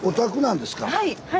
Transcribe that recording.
はい。